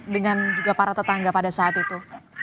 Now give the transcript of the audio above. dengan juga para tetangga pada saat itu